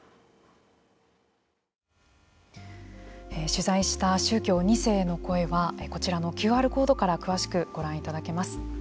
取材した宗教２世への声はこちらのＱＲコードから詳しくご覧いただけます。